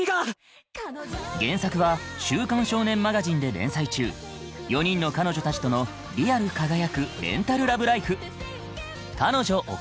原作は「週刊少年マガジン」で連載中４人の彼女たちとのリアル輝くレンタルラブライフ